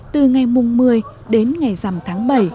từ ngày mùng một mươi đến ngày dằm tháng bảy